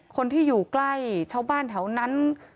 คนที่อยู่ใกล้ชาวบ้านแถวนั้น